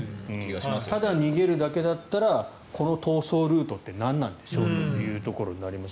ただ逃げるだけだったらこの逃走ルートって何なんでしょうというところになります。